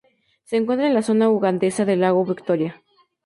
Se encuentra en la zona ugandesa del lago Victoria.